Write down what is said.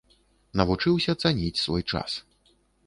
Навучыўся цаніць свой час.